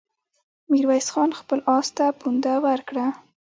ميرويس خان خپل آس ته پونده ورکړه.